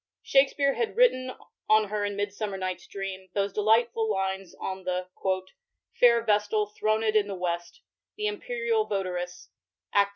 Shakspere had written on her in Midaummer Nighfs Dream, those delightful lines on the "fair vestal thronM in the west," •* the imperial votaress," II.